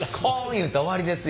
いうたら終わりですよ。